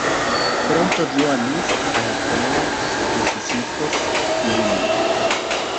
Pronto dio a luz a la primera de sus hijos, Lillie.